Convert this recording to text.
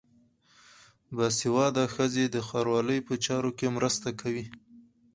باسواده ښځې د ښاروالۍ په چارو کې مرسته کوي.